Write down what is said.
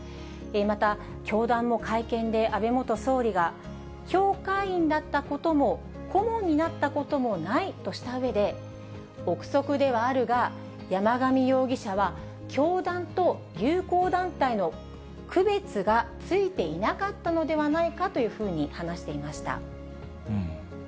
また、教団の会見で安倍元総理が、教会員だったことも、顧問になったこともないとしたうえで、臆測ではあるが、山上容疑者は、教団と友好団体の区別がついていなかったのではないかというふうに話していました。